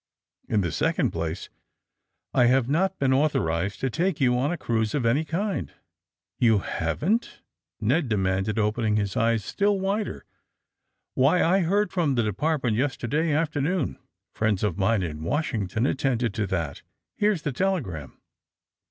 In the sec ond place I have not been authorized to take you on a cruise of any kind/' ^^You haven't/' Ned demanded, opening his eyes still wider. *^Why, I heard from the De partment yesterday afternoon. Friends of mine in Washington attended to that. Here's the telegram.